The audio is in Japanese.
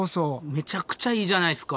めちゃくちゃいいじゃないですか。